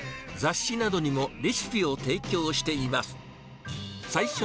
雑誌などにもレシピを提供しています。